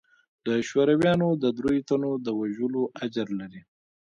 د شورويانو د درېو تنو د وژلو اجر لري.